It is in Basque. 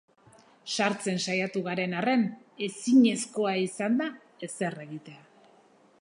Sartzen saiatu garen arren, ezinezkoa izan da ezer egitea.